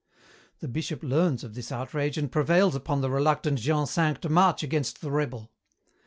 "The Bishop learns of this outrage and prevails upon the reluctant Jean V to march against the rebel.